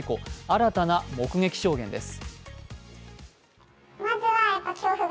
新たな目撃証言です。